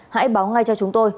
hãy báo ngay cho chúng tôi